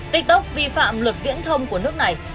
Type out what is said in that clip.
tiktok vi phạm luật viễn thông của nước này